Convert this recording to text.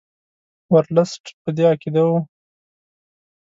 ورلسټ په دې عقیده وو.